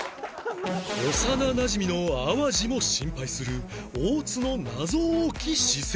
幼なじみの淡路もシンパイする大津の謎多き私生活